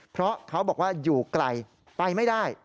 เพราะเขาบอกว่าอยู่ไกลไปไม่ได้